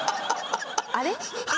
あれ？